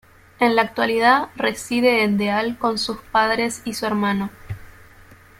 En la actualidad reside en Deal con sus padres y su hermano.